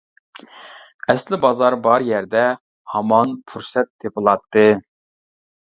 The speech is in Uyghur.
ئەسلى بازار بار يەردە ھامان پۇرسەت تېپىلاتتى.